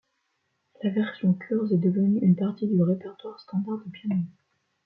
La version Kurz est devenu une partie du répertoire standard de piano.